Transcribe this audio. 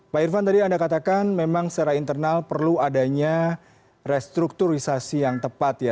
pak irvan tadi anda katakan memang secara internal perlu adanya restrukturisasi yang tepat ya